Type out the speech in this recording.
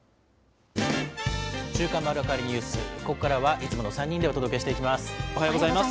週刊まるわかりニュース、ここからはいつもの３人でお届けしていきます。